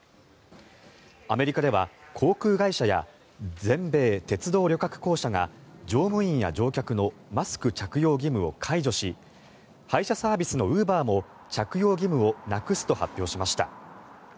アメリカでは航空会社や全米鉄道旅客公社が乗務員や乗客のマスク着用義務を解除し配車サービスのウーバーも着用義務をなくすと発表しました。